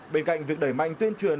bên cạnh việc đẩy mạnh tuyên truyền